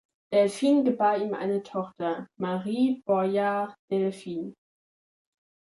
Delphine gebar ihm eine Tochter, Marie-Borja Delphine.